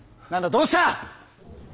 どうした！